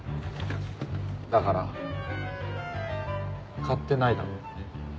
だから買ってないだろ？